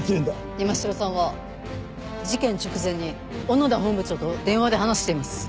山城さんは事件直前に小野田本部長と電話で話しています。